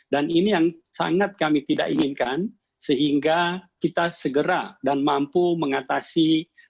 dan ini yang sangat kami tidak inginkan sehingga kita segera dan mampu mengatasi